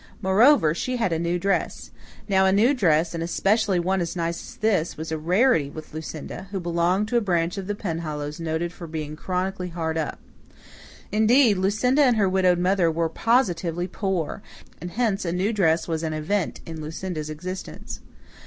Moreover, she had a new dress. Now, a new dress and especially one as nice as this was a rarity with Lucinda, who belonged to a branch of the Penhallows noted for being chronically hard up. Indeed, Lucinda and her widowed mother were positively poor, and hence a new dress was an event in Lucinda's existence.